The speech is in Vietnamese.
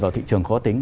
vào thị trường khó tính